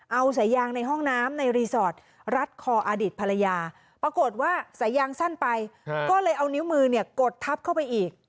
เอาสายยางในห้องน้ำในรีสอร์ทรัดคออดีตภรรยาปรากฏว่าสายยางสั้นไปก็เลยเอานิ้วมือเนี่ยกดทับเข้าไปอีก